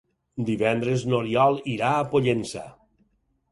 Divendres n'Oriol irà a Pollença.